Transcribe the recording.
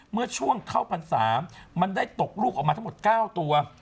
เมื่อช่วงเข้าพรรษามันได้ตกลูกออกมาทั้งหมด๙ตัว